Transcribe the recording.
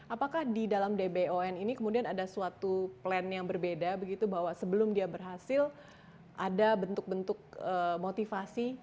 apakah di dalam dbon ini kemudian ada suatu plan yang berbeda begitu bahwa sebelum dia berhasil ada bentuk bentuk motivasi